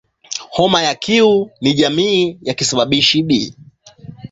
Homa ya Q ni jamii ya kisababishi "B".